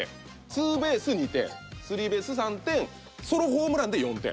２ベース２点３ベース３点ソロホームランで４点。